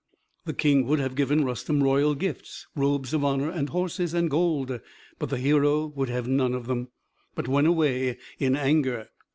'" The King would have given Rustem royal gifts, robes of honor, and horses, and gold. But the hero would have none of them, but went away in anger.